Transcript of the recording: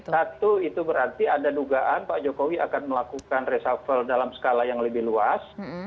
satu itu berarti ada dugaan pak jokowi akan melakukan reshuffle dalam skala yang lebih luas